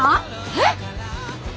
えっ？